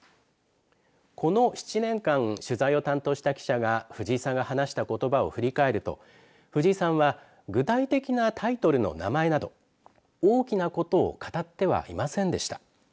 この７年間取材を担当した記者が藤井さんが話したことばを振り返ると藤井さんは具体的なタイトルの名前など大きなことを語ってはいませんでした。